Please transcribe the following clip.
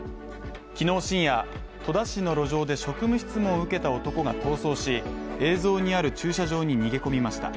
昨日深夜、戸田市の路上で職務質問を受けた男が逃走し、映像にある駐車場に逃げ込みました。